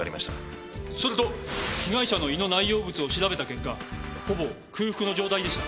それと被害者の胃の内容物を調べた結果ほぼ空腹の状態でした。